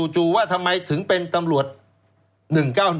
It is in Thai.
จู่ว่าทำไมถึงเป็นตำรวจ๑๙๑